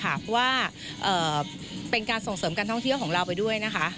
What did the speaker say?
เพราะว่าเป็นการส่งเสริมการท่องเที่ยวของเราไปด้วยนะคะ